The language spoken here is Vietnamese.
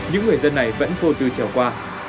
những người dân này vẫn vô tư trèo qua